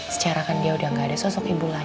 secara kan dia udah gak ada sosok ibu lain